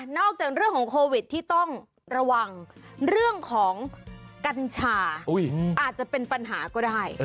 จากเรื่องของโควิดที่ต้องระวังเรื่องของกัญชาอาจจะเป็นปัญหาก็ได้